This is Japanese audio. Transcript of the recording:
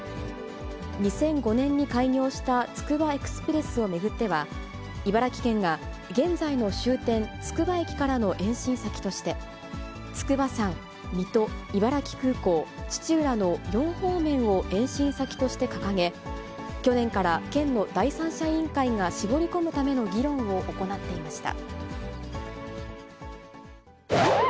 ２００５年に開業したつくばエクスプレスを巡っては、茨城県が現在の終点、つくば駅からの延伸先として、筑波山、水戸、茨城空港、土浦の４方面を延伸先として掲げ、去年から県の第三者委員会が、絞り込むための議論を行っていました。